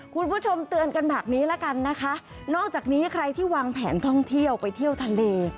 คุณผู้ชมเตือนกันแบบนี้ละกันนะคะนอกจากนี้ใครที่วางแผนท่องเที่ยวไปเที่ยวทะเล